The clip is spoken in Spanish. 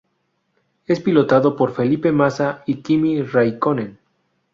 Es pilotado por Felipe Massa y Kimi Räikkönen.